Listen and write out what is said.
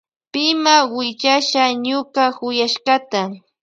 Pima willasha ñuka yuyashkata.